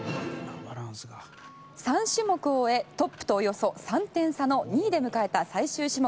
３種目を終えトップとおよそ３点差の２位で迎えた最終種目。